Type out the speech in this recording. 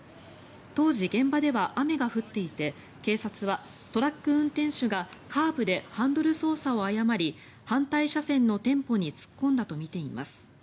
当時、現場では雨が降っていて警察はトラック運転手がカーブでハンドル操作を誤り反対車線の店舗に突っ込んだとみています。